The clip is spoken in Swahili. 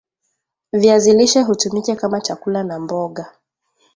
viazi lishe hutumika kama chakula na mboga